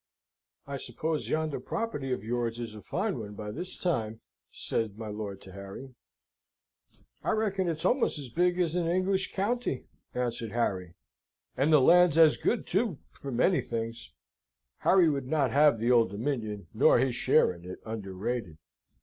"I suppose yonder property of yours is a fine one by this time?" said my lord to Harry. "I reckon it's almost as big as an English county," answered Harry, "and the land's as good, too, for many things." Harry would not have the Old Dominion, nor his share in it, underrated.